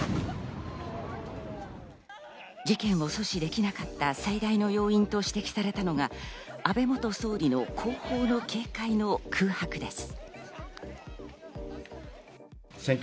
事件を阻止できなかった最大の要因と指摘されたのが、安倍元総理の後方の警戒の空白です。